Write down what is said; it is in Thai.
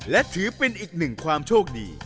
และถือเป็นอีกหนึ่งความโชคดี